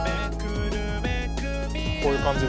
こういう感じで。